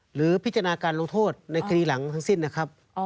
หรือพิจารณาการลงโทษในคดีหลังทั้งสิ้นนะครับ